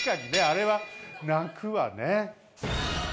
あれは泣くわね。